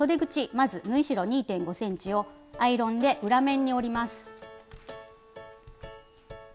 まず縫い代２．５ｃｍをアイロンで裏面に折ります。